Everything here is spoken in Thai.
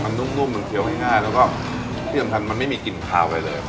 มันนุ่มมันเคี้ยวง่ายแล้วก็ที่สำคัญมันไม่มีกลิ่นคาวอะไรเลย